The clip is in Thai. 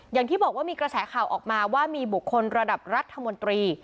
อย่างที่บอกว่ามีกระแสข่าวออกมาว่ามีบุคคลระดับรัฐมนตรี